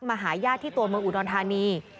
มาหาย่าที่ตัวเมืองอุดอนธานี